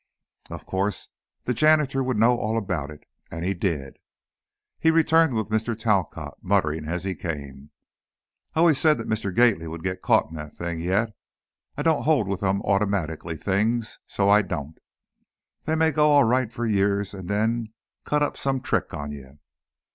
Of course, the janitor would know all about it; and he did. He returned with Mr. Talcott, muttering as he came. "I always said Mr. Gately'd get caught in that thing yet! I don't hold with them automaticky things, so I don't. They may go all right for years and then cut up some trick on you.